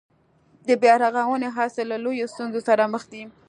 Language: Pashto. د بيا رغونې هڅې له لویو ستونزو سره مخ دي